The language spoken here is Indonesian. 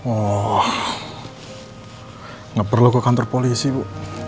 oh gak perlu ke kantor polisi ibu